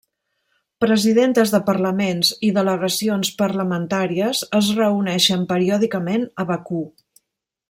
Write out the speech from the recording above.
Presidentes de parlaments i delegacions parlamentàries es reuneixen periòdicament a Bakú.